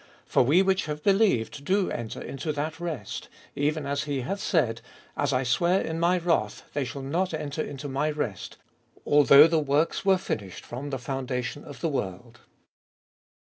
3. For we which have believed do enter into that rest; even as he hath said, As I sware in my wrath, They shall not enter into my rest: although the works were finished from the foundation of the world.